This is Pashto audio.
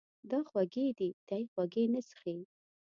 دا خوږې دي، دی خوږې نه څښي.